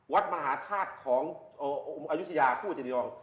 วัดมหาธาตุของอายุชยาคู่เจดีทอง